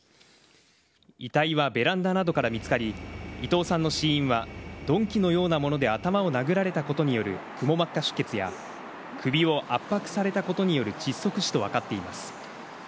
遺体はベランダなどから見つかり、伊藤さんの死因は鈍器のようなもので頭を殴られたことによるくも膜下出血や首を圧迫されたことによる窒息死と分かっています。